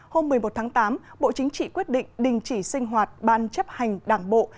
hôm một mươi một tháng tám bộ chính trị quyết định đình chỉ sinh hoạt ban chấp hành đảng bộ